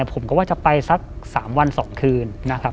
ผมก็ว่าจะไปสัก๓วัน๒คืนนะครับ